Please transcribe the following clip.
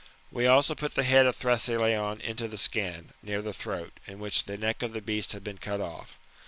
We also put the head of Thrasyleon into the skin, near the throat, in which the neck of the beast had been cut off.